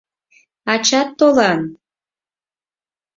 — Ачат толын!